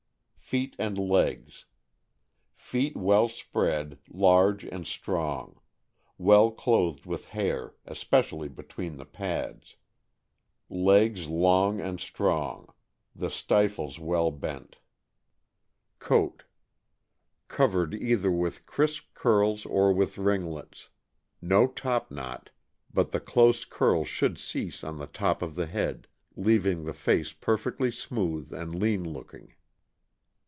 Feet and legs. — Feet well spread, large, and strong; well clothed with hair, especially between the pads. Legs long and strong; the stifles well bent. Coat. — Covered either with crisp curls or with ringlets; no top knot, but the close curl should cease on the top of the head, leaving the face perfectly smooth and lean looking.